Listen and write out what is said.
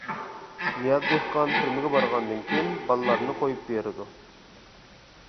نىياز دېھقان تۈرمىگە بارغاندىن كېيىن بالىلارنى قويۇپ بېرىدۇ.